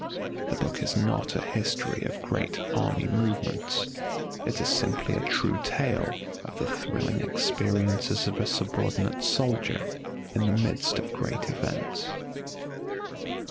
The book is not a history of great army movements, it is simply a true tale of the thrilling experiences of a subordinate soldier in the midst of great events.